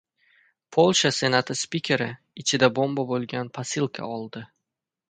Polsha Senati spikeri ichida bomba bo‘lgan posilka oldi